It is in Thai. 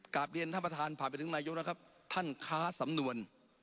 กลับเรียนท่านประธานผ่านไปถึงนายกแล้วครับท่านค้าสำนวน